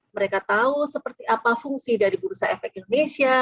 mereka tahu seperti apa fungsi dari bursa efek indonesia